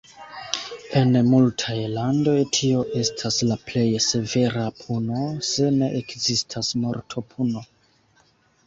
En multaj landoj tio estas la plej severa puno, se ne ekzistas mortopuno.